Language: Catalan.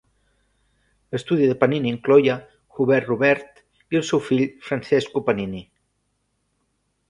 L'estudi de Panini incloïa Hubert Robert i el seu fill Francesco Panini.